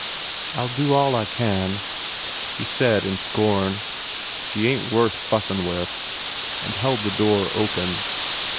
"I ll do all I can/? He said in scorn, "She ain t worth fussin with," and held the door open.